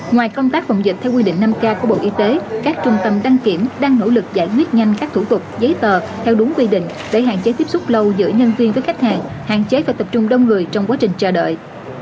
ngoài công tác phòng dịch theo quy định năm k của bộ y tế các trung tâm đăng kiểm đang nỗ lực giải quyết nhanh các thủ tục giấy tờ theo đúng quy định để hạn chế tiếp xúc lâu giữa nhân viên với khách hàng hạn chế phải tập trung đông người trong quá trình chờ đợi